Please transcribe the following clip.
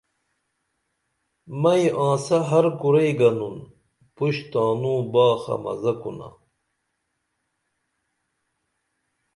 مئیں آنسہ ہر کُرئی گنن پُش تانو باخہ مزہ کُنا